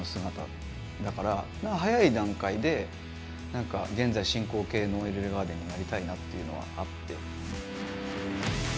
だから早い段階でなんか現在進行形のＥＬＬＥＧＡＲＤＥＮになりたいなっていうのはあって。